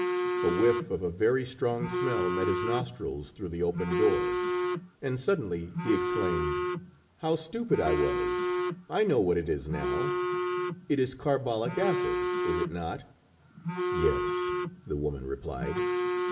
A whiff of a very strong smell met his nostrils through the open door, and suddenly he exclaimed: "How stupid I was! I know what it is now; it is carbolic acid, is it not?" "Yes," the woman replied.